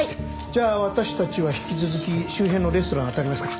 じゃあ私たちは引き続き周辺のレストランをあたりますか。